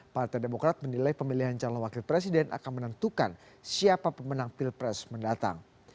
partai demokrat menilai pemilihan calon wakil presiden akan menentukan siapa pemenang pilpres mendatang